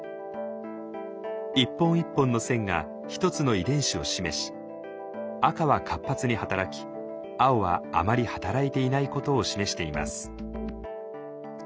一本一本の線が一つの遺伝子を示し赤は活発に働き青はあまり働いていないことを示しています。